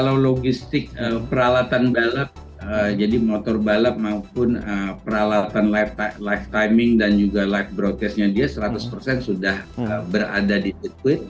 kalau logistik peralatan balap jadi motor balap maupun peralatan life timing dan juga live broadcastnya dia seratus persen sudah berada di sirkuit